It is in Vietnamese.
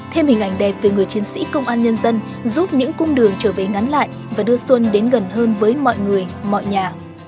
thêm hình ảnh đẹp về người chiến sĩ công an nhân dân giúp những cung đường trở về ngắn lại và đưa xuân đến gần hơn với mọi người mọi nhà